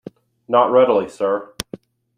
Not readily, sir.